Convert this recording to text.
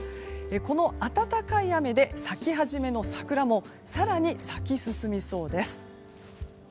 この暖かい雨で咲き初めの桜も更に咲き進みそうです。